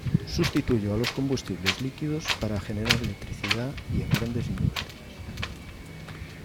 Sustituyó a los combustibles líquidos para generar electricidad y en grandes industrias.